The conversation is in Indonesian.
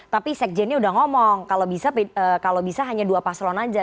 tapi sekjennya udah ngomong kalau bisa hanya dua paslon aja